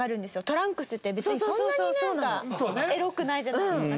トランクスって別にそんなになんかエロくないじゃないですか。